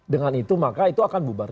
dengan itu maka itu akan bubar